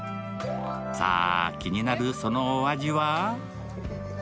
さあ、気になるそのお味は？